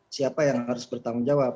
siapa yang harus bertanggung jawab